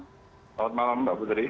selamat malam mbak budri